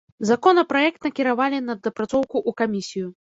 Законапраект накіравалі на дапрацоўку ў камісію.